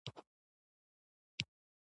دا کتاب په نصاب کې شامل شوی دی.